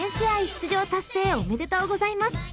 出場達成おめでとうございます］